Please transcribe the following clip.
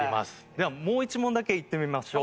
ではもう１問だけいってみましょう。